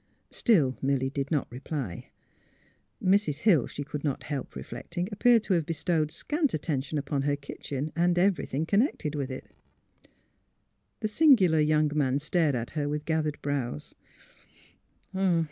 Still Milly did not reply. Mrs. Hill, she could not help reflecting, appeared to have bestowed scant attention upon her kitchen and everything connected with it. The singular young man stared at Her with gathered brows.